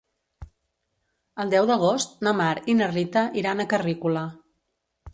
El deu d'agost na Mar i na Rita iran a Carrícola.